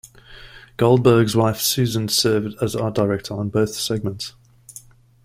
Goldberg's wife Susan served as art director on both segments.